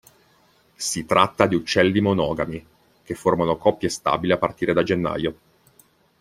Si tratta di uccelli monogami, che formano coppie stabili a partire da gennaio.